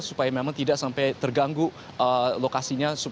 supaya memang tidak sampai terganggu lokasinya